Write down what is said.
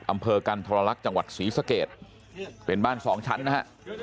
อำเภอกันทรลักษณ์จังหวัดศรีสเกตเป็นบ้านสองชั้นนะฮะ